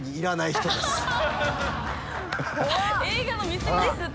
映画の見すぎですって。